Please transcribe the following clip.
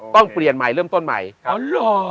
เปลี่ยนใหม่เริ่มต้นใหม่อ๋อเหรอ